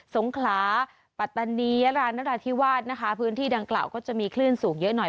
สงขลาปัตตานียรานนราธิวาสนะคะพื้นที่ดังกล่าวก็จะมีคลื่นสูงเยอะหน่อย